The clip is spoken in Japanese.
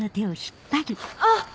あっ！